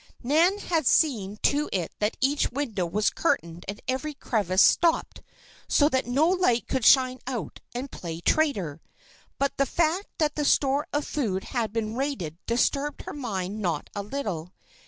Nan had seen to it that each window was curtained and every crevice stopped, so that no light could shine out and play traitor. But the fact that the store of food had been raided disturbed her mind not a little.